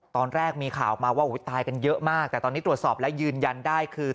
ตอนแรกมีข่าวมาว่าตายกันเยอะมากแต่ตอนนี้ตรวจสอบและยืนยันได้คือ